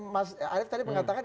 mas arief tadi mengatakan